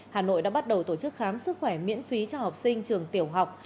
hà nội đã bắt đầu tổ chức khám sức khỏe miễn phí cho học sinh trường tiểu học